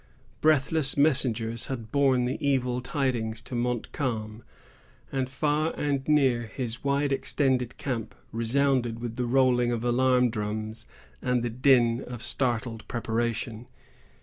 Breathless messengers had borne the evil tidings to Montcalm, and far and near his wide extended camp resounded with the rolling of alarm drums and the din of startled preparation.